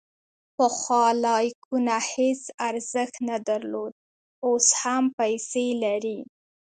پخوا لایکونه هیڅ ارزښت نه درلود، اوس هم پیسې لري.